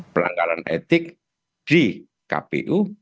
pelanggaran etik di kpu